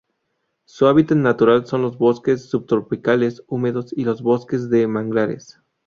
Su hábitat natural son los bosques subtropicales húmedos y los bosques de manglares.